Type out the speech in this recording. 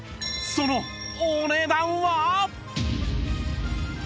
そのお値段は！？